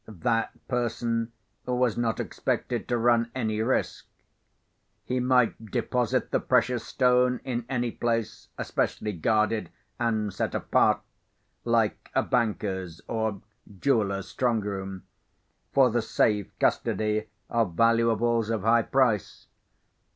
That person was not expected to run any risk. He might deposit the precious stone in any place especially guarded and set apart—like a banker's or jeweller's strongroom—for the safe custody of valuables of high price.